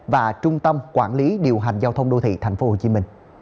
và trung tâm quản lý điều hành giao thông đô thị tp hcm